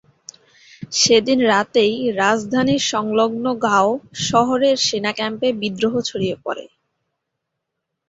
সেদিন রাতেই রাজধানীর সংলগ্ন গাও শহরের সেনা ক্যাম্পে বিদ্রোহ ছড়িয়ে পরে।